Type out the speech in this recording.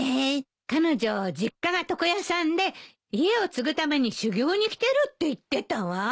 彼女実家が床屋さんで家を継ぐために修業に来てるって言ってたわ。